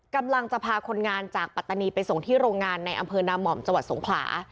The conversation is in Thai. กำลังจะพาคนงานจากปัตตานีไปส่งที่โรงงานในอำเภอนาม่อมจังหวัดสงขลา